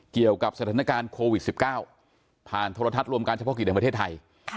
เกี่ยวกับสถานการณ์โควิด๑๙ผ่านโทรทัศน์รวมการเฉพาะกิจแห่งประเทศไทย